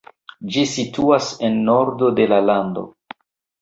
Ĝi situas en nordo de la lando.